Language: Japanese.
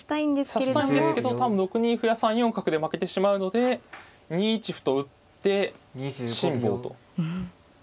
指したいんですけど多分６二歩や３四角で負けてしまうので２一歩と打って辛抱と。